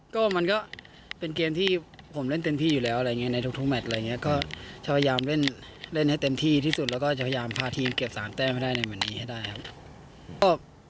ก็มันก็เป็นเกมที่ผมเล่นเต็มที่อยู่แล้วอะไรอย่างเงี้ในทุกแมทอะไรอย่างนี้ก็พยายามเล่นให้เต็มที่ที่สุดแล้วก็จะพยายามพาทีมเก็บ๓แต้มให้ได้ในวันนี้ให้ได้ครับ